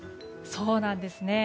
そうなんですね。